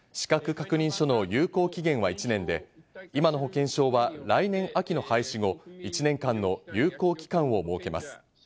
資格確認書の有効期限は１年で、今の保険証は来年秋の廃止後、１年間の有効期間を設けます。